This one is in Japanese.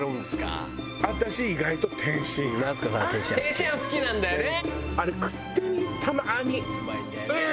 天津飯好きなんだよね！